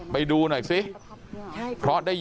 เมื่อ